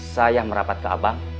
saya merapat ke abang